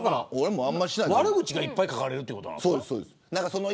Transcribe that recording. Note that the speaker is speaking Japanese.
悪口がいっぱい書かれるってことなんですか。